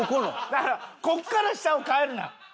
だからここから下を変えるな！